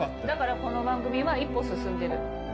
だからこの番組は一歩進んでる。